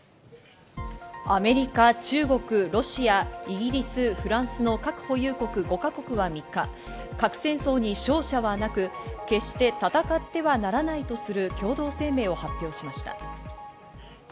アメリカ、中国、ロシア、イギリス、フランスの核保有国５か国は３日、核戦争に勝者はなく、決して戦ってはならないとする共同声明を発表しました。